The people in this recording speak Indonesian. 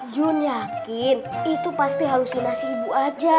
jun yakin itu pasti halusinasi ibu aja